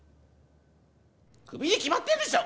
クビに決まってんでしょ！